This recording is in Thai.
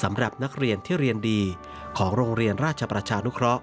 สำหรับนักเรียนที่เรียนดีของโรงเรียนราชประชานุเคราะห